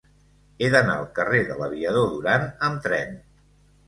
He d'anar al carrer de l'Aviador Durán amb tren.